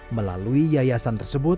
melalui yayasan tersebut